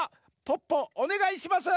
ポッポおねがいします！